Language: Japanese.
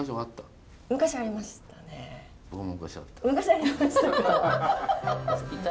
昔ありましたか。